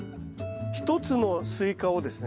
一つのスイカをですね